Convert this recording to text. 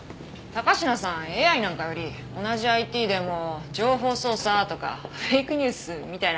高階さんＡＩなんかより同じＩＴでも情報操作とかフェイクニュースみたいなのが得意だったから。